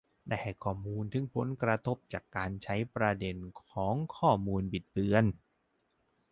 ได้ให้ข้อมูลถึงผลกระทบจากการใช้ประเด็นของข้อมูลบิดเบือน